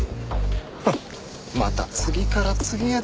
フッまた次から次へと。